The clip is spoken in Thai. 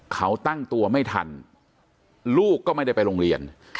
เขาตั้งตัวไม่ทันลูกก็ไม่ได้ไปโรงเรียน